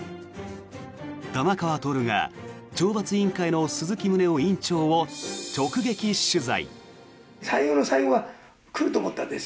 玉川徹が懲罰委員会の鈴木宗男委員長を直撃取材。